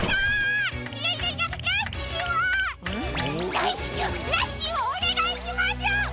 だいしきゅうラッシーをおねがいします！